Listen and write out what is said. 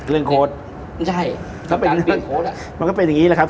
เรื่องโค้ดใช่การปิดโค้ดมันก็เป็นอย่างงี้แหละครับ